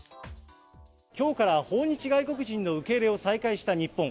きょうから訪日外国人の受け入れを再開した日本。